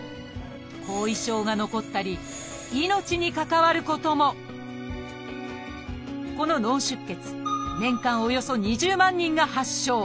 後遺症が残ったり命に関わることもこの脳出血年間およそ２０万人が発症。